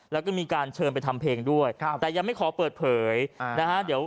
แล้วก็มีการเชิญไปทำเพลงด้วยครับแต่ยังไม่ขอเปิดเผยนะฮะเดี๋ยว